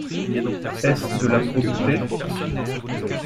Est-ce de la probité?...